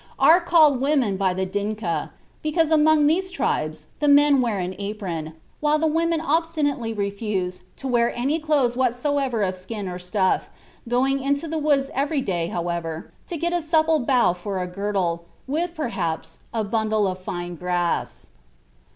are called "women" by the Dinka, because among these tribes the men wear an apron, while the women obstinately refuse to wear any clothes whatsoever of skin or stuff, going into the woods every day, however, to get a supple bough for a girdle, with, perhaps, a bundle of fine grass.